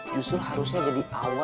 justru harusnya jadi awal